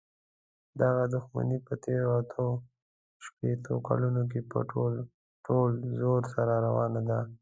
دغه دښمني په تېرو اته شپېتو کالونو کې په ټول زور سره روانه ده.